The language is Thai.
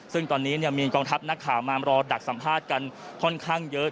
ซึ่งตอนนี้มีกองทัพนักข่าวมารอดักสัมภาษณ์กันค่อนข้างเยอะ